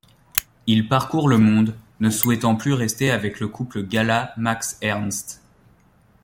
Il parcourt le monde, ne souhaitant plus rester avec le couple Gala-Max Ernst.